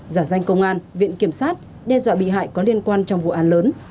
giả danh công an viện kiểm sát đe dọa bị hại có liên quan trong vụ án lớn